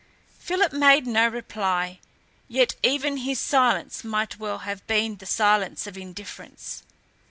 Philip made no reply, yet even his silence might well have been the silence of indifference.